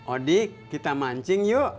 odi kita mancing yuk